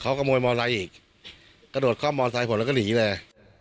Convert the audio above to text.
เขากระโมยมอเซอร์ไซด์อีกกระโดดเข้ามมอเซอร์ไซด์ผมแล้วก็หนีเลย